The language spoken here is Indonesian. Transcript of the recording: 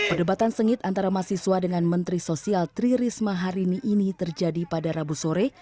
perdebatan sengit antara mahasiswa dengan menteri sosial tri risma hari ini terjadi pada rabu sore